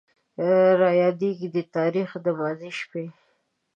رايادېږي دې تاريخه د ماضي شپې